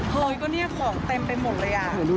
เฮ้ยก็เนี่ยของเต็มไปหมดเลยอ่ะ